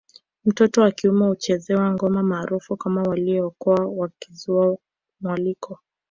Mtoto wa kiume huchezewa ngoma maarufu kama mwalikokwa Kizigua kutoigwa mwaliko